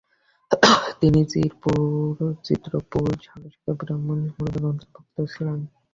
তিনি চিত্রপুর সারস্বত ব্রাহ্মণ সম্প্রদায়ের অন্তর্ভুক্ত ছিলেন।